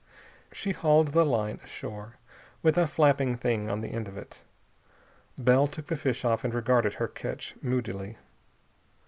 She hauled the line ashore, with a flapping thing on the end of it. Bell took the fish off and regarded her catch moodily.